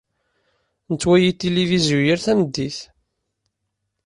Nettwali tilivizyu yal tameddit.